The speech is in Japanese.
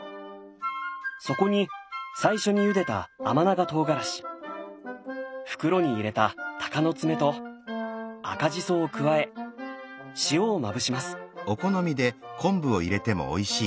そこに最初にゆでた甘長唐辛子袋に入れたたかのつめと赤じそを加え塩をまぶします。